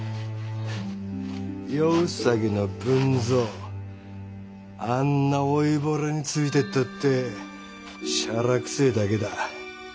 夜兎の文蔵あんな老いぼれについてったってしゃらくせえだけだ。